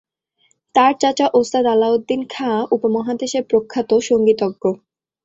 তার চাচা ওস্তাদ আলাউদ্দিন খাঁ উপমহাদেশের প্রখ্যাত সঙ্গীতজ্ঞ।